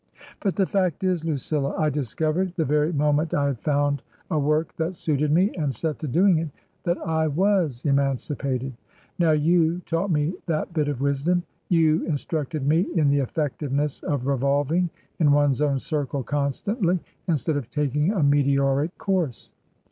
But the fact is, Lucilla, I discovered, the very moment I had found a work that suited me and set to doing it, that I was emancipated, 'i^o^^you taught me that bit of wisdom. You instructed me in the effectiveness of revolving in one's own circle constantly instead of taking a meteoric course."